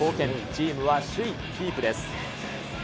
チームは首位キープです。